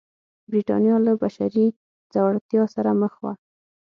برېټانیا له بشپړې ځوړتیا سره مخ وه.